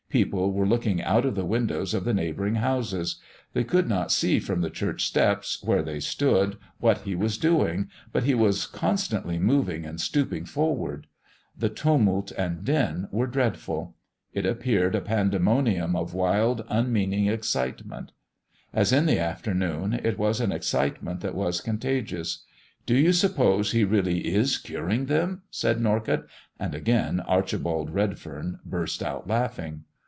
People were looking out of the windows of the neighboring houses. They could not see from the church steps where they stood what He was doing, but He was constantly moving and stooping forward. The tumult and din were dreadful. It appeared a pandemonium of wild, unmeaning excitement. As in the afternoon, it was an excitement that was contagious. "Do you suppose He really is curing them?" said Norcott, and again Archibald Redfern burst out laughing.